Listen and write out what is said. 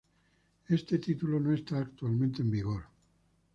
Este título no está actualmente en vigor.